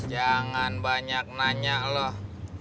jangan banyak nanya loh